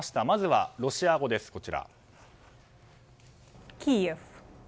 まずはロシア語です。